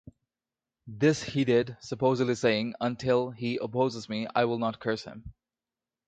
This he did, supposedly saying: Until he opposes me, I will not curse him.